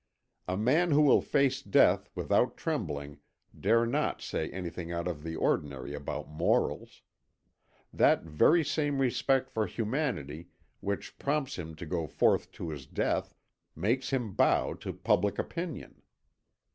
A man who will face death without trembling dare not say anything out of the ordinary about morals. That very same respect for Humanity which prompts him to go forth to his death, makes him bow to public opinion.